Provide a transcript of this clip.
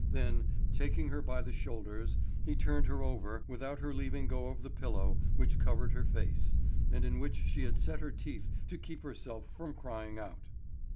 Then, taking her by the shoulders, he turned her over without her leaving go of the pillow, which covered her face, and in which she had set her teeth to keep herself from crying out.